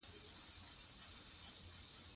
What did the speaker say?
ځنګل د نړۍ ښکلا ده.